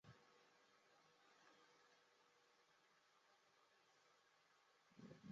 台湾跆拳道运动学会副理事长行政院体育委员会训辅委员